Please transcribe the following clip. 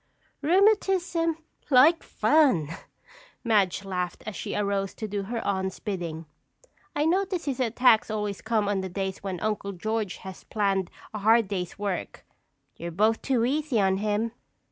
"Rheumatism, like fun!" Madge laughed as she arose to do her aunt's bidding. "I notice his attacks always come on the days when Uncle George has planned a hard day's work. You're both too easy on him."